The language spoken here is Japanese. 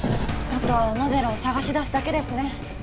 あとは小野寺を探し出すだけですね。